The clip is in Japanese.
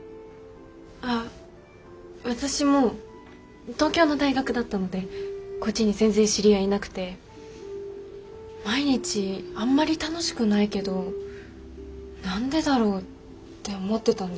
あっ私も東京の大学だったのでこっちに全然知り合いいなくて毎日あんまり楽しくないけど何でだろう？って思ってたんです。